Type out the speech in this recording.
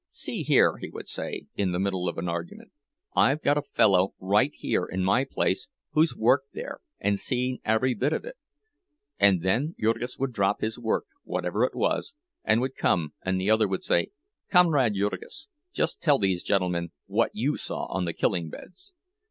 "See here," he would say, in the middle of an argument, "I've got a fellow right here in my place who's worked there and seen every bit of it!" And then Jurgis would drop his work, whatever it was, and come, and the other would say, "Comrade Jurgis, just tell these gentlemen what you saw on the killing beds."